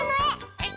はい。